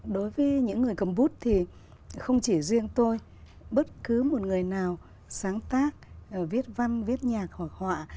đối với những người cầm bút thì không chỉ riêng tôi bất cứ một người nào sáng tác viết văn viết nhạc hoặc họa